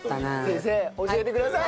先生教えてください。